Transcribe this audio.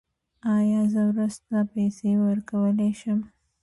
ایا زه وروسته پیسې ورکولی شم؟